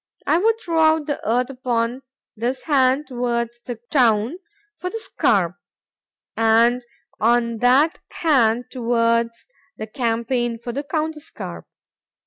—I would throw out the earth upon this hand towards the town for the scarp,—and on that hand towards the campaign for the counterscarp.